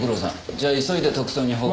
じゃあ急いで特捜に報告。